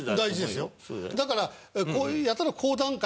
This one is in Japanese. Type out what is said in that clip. だからこういう。